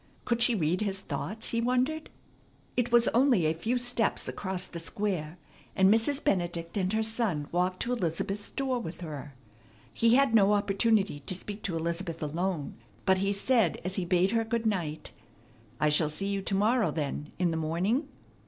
Could she read his thoughts? he wondered. It was only a few steps across the Square, and Mrs. Benedict and her son walked to Elizabeth's door with her. He had no opportunity to speak to Elizabeth alone, but he said as he bade her good night, "I shall see you to morrow, then, in the morning?"